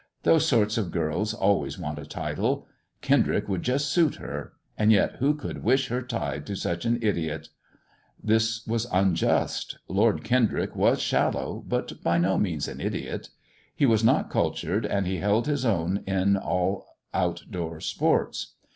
*^ Those sort of girls Cklmqi want a title. Kendrick would just suit her, and yet could wish her tied to such an idiot ]" This was unjust. Lord Kendrick was shallow, but by means an idiot. He was not cultured, but he held his cm in all out door sports.